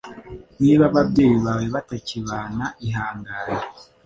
niba ababyeyi bawe batakibana ihangane